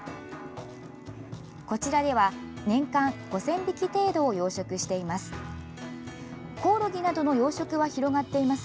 こちらでは年間５０００匹程度を養殖しています。